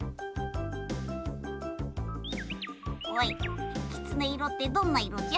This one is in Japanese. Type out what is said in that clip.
おいきつね色ってどんな色じゃ？